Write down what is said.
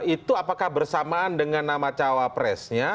itu apakah bersamaan dengan nama cawapresnya